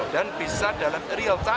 dan bisa dalam real time